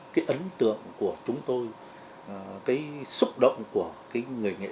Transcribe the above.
cái ấn cái ấn cái ấn cái ấn của bắc hồ